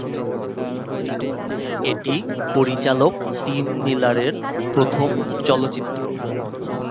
এটি পরিচালক Tim Miller এর প্রথম চলচ্চিত্র।